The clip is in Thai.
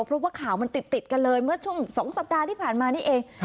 เพราะว่าข่าวมันติดกันเลยเมื่อช่วง๒สัปดาห์ที่ผ่านมานี่เอง